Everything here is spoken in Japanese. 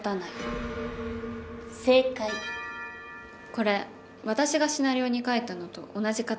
これ私がシナリオに書いたのと同じ形だから。